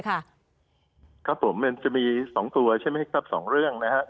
ครับผมมันจะมี๒ตัวใช่ไหมครับ๒เรื่องนะครับ